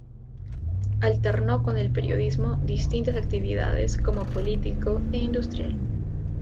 Alternó con el periodismo distintas actividades como político e industrial.